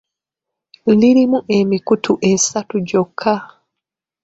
Lirimu emikutu esatu gyokka.